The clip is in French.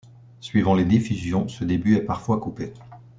Suivant les diffusions, ce début est parfois coupé.